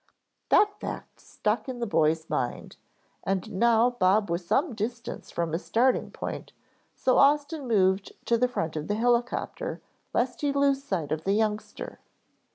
That fact stuck in the boy's mind, and now Bob was some distance from his starting point, so Austin moved to the front of the helicopter lest he lose sight of the youngster.